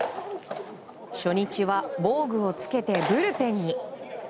初日は防具を着けてブルペンに。